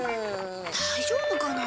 大丈夫かな？